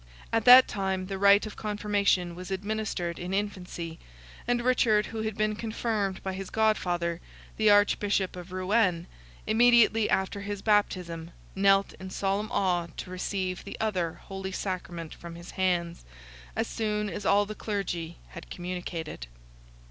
At that time the rite of Confirmation was administered in infancy, and Richard, who had been confirmed by his godfather, the Archbishop of Rouen, immediately after his baptism, knelt in solemn awe to receive the other Holy Sacrament from his hands, as soon as all the clergy had communicated.